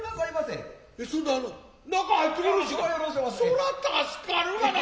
そら助かるがな。